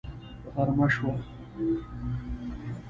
غرمه شوه